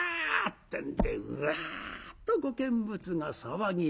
ってんでうわっとご見物が騒ぎ立つ。